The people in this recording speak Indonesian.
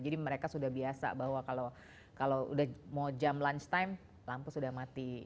jadi mereka sudah biasa bahwa kalau mau jam lunch time lampu sudah mati